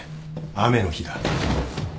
雨の日だ。